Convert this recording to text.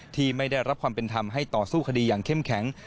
ที่ไม่ได้รับความเป็นธรรมให้ต่อสู้คดีอย่างเข้มแข็ง